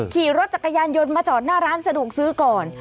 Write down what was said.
ขี่รถจักรยานยนต์มาจอดหน้าร้านสะดวกซื้อก่อน